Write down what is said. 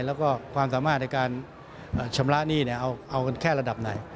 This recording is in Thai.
แล้วก็ความสามารถในการชำระหนี้เอากันแค่ระดับไหน